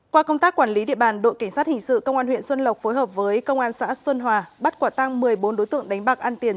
qua công tác quản lý địa bàn đội cảnh sát hình sự công an huyện xuân lộc phối hợp với công an xã xuân hòa bắt quả tăng một mươi bốn đối tượng đánh bạc ăn tiền